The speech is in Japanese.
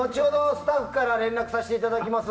スタッフから連絡させていただきます。